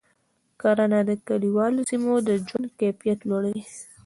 کرنه د کلیوالو سیمو د ژوند کیفیت لوړوي.